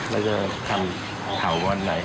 แล้วจะทำข่าววันไหน